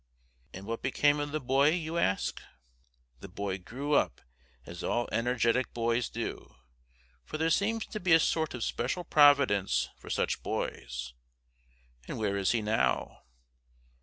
And what became of the boy? you ask. The boy grew up as all energetic boys do; for there seems to be a sort of special providence for such boys. And where is he now?